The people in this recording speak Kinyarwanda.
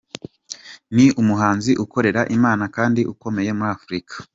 Ni umuhanzi ukorera Imana kandi ukomeye muri Afrika”.